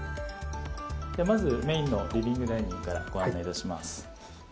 まずメインのリビングダイニングからご案内いたします。